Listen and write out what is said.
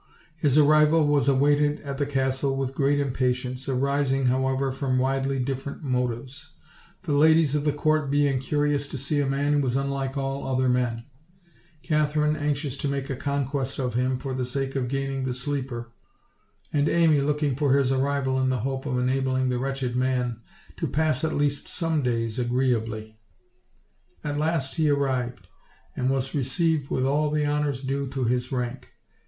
His arrival was awaited at the castle with great impatience, arising, however, from widely different mo tives: the ladies of the court being curious to see a man who was unlike all other men; Katherine anxious to make a conquest of him, for the sake of gaining the sleeper; and Amy looking for his arrival in the hope of enabling the wretched man to pass at least some days agreeably. At last he arrived, and was received with all the honors due to his rank.